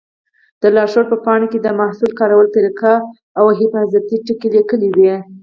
د لارښود په پاڼو کې د محصول کارولو طریقه او حفاظتي ټکي لیکلي وي.